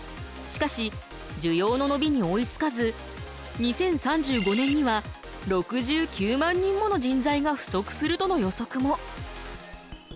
しかし需要ののびに追いつかず２０３５年には６９万人もの人材が不足するとの予測も。